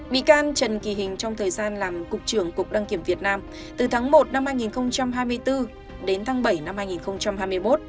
bị can trần kỳ hình trong thời gian làm cục trưởng cục đăng kiểm việt nam từ tháng một năm hai nghìn hai mươi bốn đến tháng bảy năm hai nghìn hai mươi một